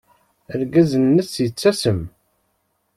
Argaz-nnes yettasem.